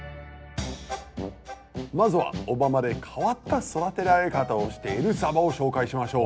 まずは小浜で変わった育てられ方をしているサバを紹介しましょう。